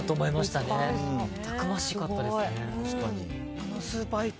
たくましかったですね。